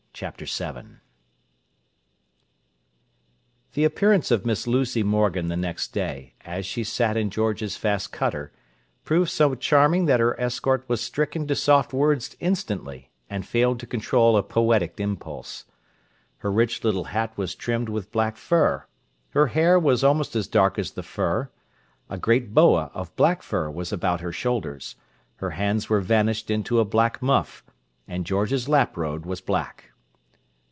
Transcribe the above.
Chapter VII The appearance of Miss Lucy Morgan the next day, as she sat in George's fast cutter, proved so charming that her escort was stricken to soft words instantly, and failed to control a poetic impulse. Her rich little hat was trimmed with black fur; her hair was almost as dark as the fur; a great boa of black fur was about her shoulders; her hands were vanished into a black muff; and George's laprobe was black.